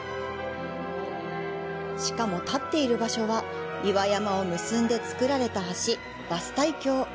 しかも、立っている場所は、岩山を結んで造られた橋、バスタイ橋。